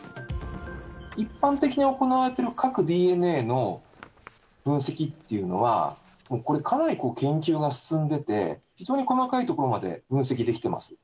一般的に行われている核ＤＮＡの分析っていうのは、これ、かなり研究が進んでて、非常に細かいところまで分析できてます。